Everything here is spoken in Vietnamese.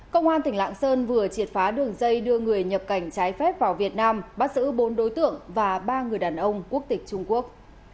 công an tỉnh lạng sơn vừa triệt phá đường dây đưa người nhập cảnh trái phép vào việt nam bắt giữ bốn đối tượng và ba người đàn ông quốc tịch trung quốc